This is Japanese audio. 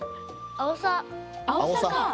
あおさかあ。